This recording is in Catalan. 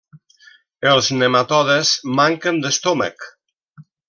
Els nematodes manquen d'estómac.